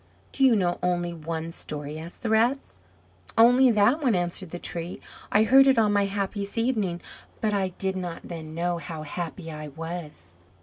"Do you know only one story?" asked the Rats. "Only that one," answered the Tree. "I heard it on my happiest evening; but I did not then know how happy I was."